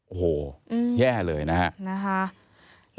โอ้โหแย่เลยนะฮะ